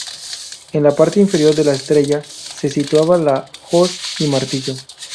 En la parte inferior de la estrella se situaba la hoz y martillo.